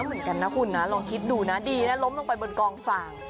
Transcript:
เหมือนกันนะคุณนะลองคิดดูนะดีนะล้มลงไปบนกองฟาง